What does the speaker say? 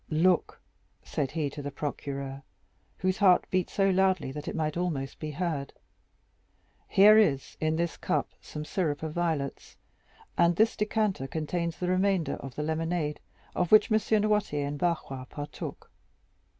"Look," said he to the procureur, whose heart beat so loudly that it might almost be heard, "here is in this cup some syrup of violets, and this decanter contains the remainder of the lemonade of which M. Noirtier and Barrois partook.